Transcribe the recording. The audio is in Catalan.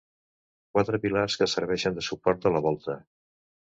Quatre pilars que serveixen de suport a la volta.